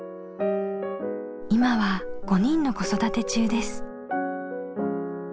今は５人の子育て中です。